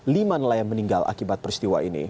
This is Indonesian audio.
lima nelayan meninggal akibat peristiwa ini